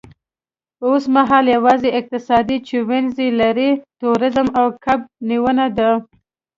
اوسمهال یوازینی اقتصاد چې وینز یې لري، تورېزم او کب نیونه ده